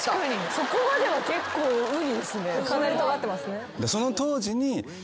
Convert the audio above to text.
そこまでは結構ウニですね。